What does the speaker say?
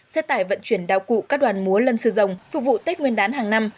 xe tải vận chuyển đao cụ các đoàn múa lân sử dụng phục vụ tích nguyên đán hàng năm